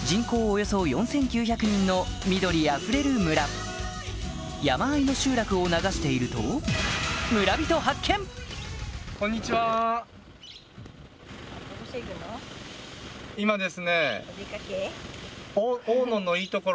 およそ４９００人の緑あふれる村山あいの集落を流しているとちなみに。